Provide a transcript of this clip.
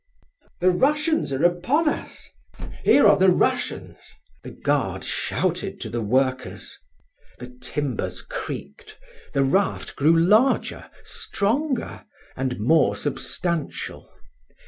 "The Russians are upon us! Here are the Russians!" the guard shouted to the workers. The timbers creaked, the raft grew larger, stronger, and more substantial.